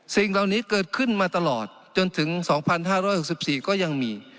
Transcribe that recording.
สิ่งเหล่านี้เกิดขึ้นมาตลอดจนถึง๒๕๖๔ก็ยังมี